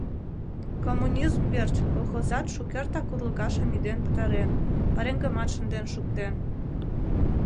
«Коммунизм верч» колхозат шукертак урлыкашым ӱден пытарен, пареҥгымат шынден шуктен.